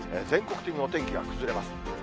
全国的にお天気は崩れます。